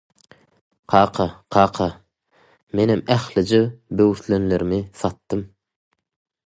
– Kaka, kaka! Menem ählije böwürslenlerimi satdym.